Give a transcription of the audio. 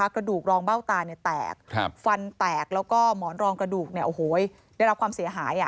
กระดูกรองเบ้าตาแตกฟันแตกแล้วก็หมอนรองกระดูกได้รับความเสียหาย